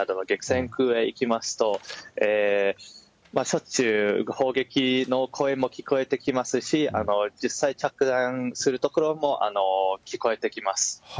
激戦区へ行きますと、しょっちゅう、砲撃の声も聞こえてきますし、実際、着弾するところも聞こえてきます。